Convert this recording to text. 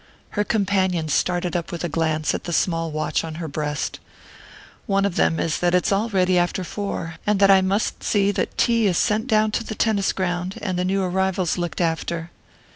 Her companion started up with a glance at the small watch on her breast. "One of them is that it's already after four, and that I must see that tea is sent down to the tennis ground, and the new arrivals looked after."